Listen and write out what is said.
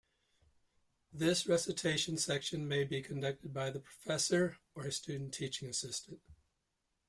These recitation sections may be conducted by the professor or a student teaching assistant.